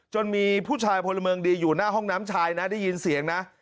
มีผู้ชายพลเมืองดีอยู่หน้าห้องน้ำชายนะได้ยินเสียงนะ